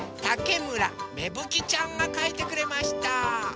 たけむらめぶきちゃんがかいてくれました。